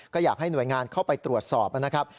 ก็อยากให้หน่วยงานเข้าไปตรวจสอบนะครับ